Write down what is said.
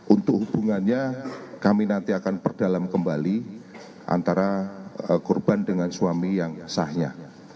untuk hubungannya kami nanti akan perdalam kembali antara korban dengan suami yang sahnya